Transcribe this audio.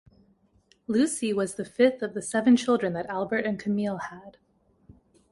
Lucie was the fifth of the seven children that Albert and Camille had.